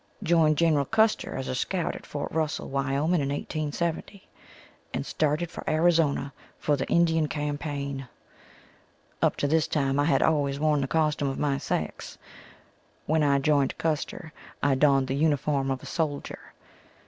Joined General Custer as a scout at Fort Russell, Wyoming, in 1870, and started for Arizona for the Indian Campaign. Up to this time I had always worn the costume of my sex. When I joined Custer I donned the uniform of a soldier.